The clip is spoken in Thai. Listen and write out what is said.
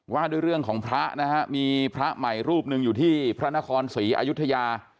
ว่าด้วยเรื่องของพระนะฮะมีพระใหม่รูปหนึ่งอยู่ที่พระนครศรีอายุทยา